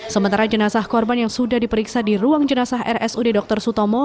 sementara jenazah korban yang sudah diperiksa di ruang jenazah rsud dr sutomo